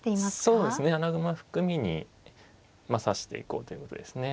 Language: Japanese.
そうですね穴熊含みに指していこうということですね。